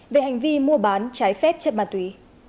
về hành vi mua bán trái phép chất ma túy